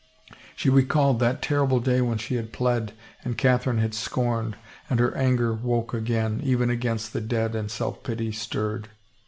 She recalled that terrible day when she had pled and Catherine had scorned, and her anger woke again, even against the dead and self pity stirred.